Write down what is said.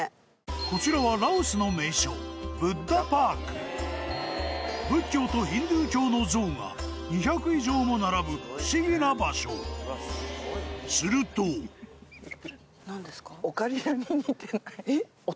こちらはラオスの名所仏教とヒンドゥー教の像が２００以上も並ぶ不思議な場所すると私？